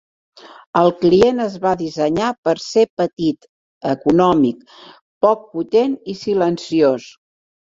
El client es va dissenyar per ser petit, econòmic, poc potent i silenciós.